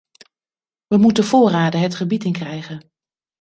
We moeten voorraden het gebied in krijgen.